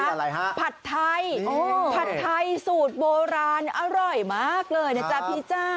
อะไรฮะผัดไทยผัดไทยสูตรโบราณอร่อยมากเลยนะจ๊ะพี่จ้า